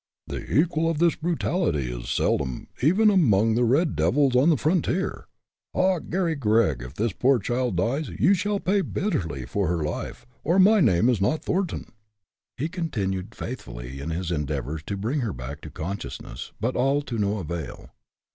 "The equal of this brutality is seldom, even among the red devils on the frontier. Ah! Garry Gregg, if this poor child dies, you shall pay bitterly for her life, or my name is not Thornton!" He continued faithfully in his endeavors to bring her back to consciousness, but all to no avail.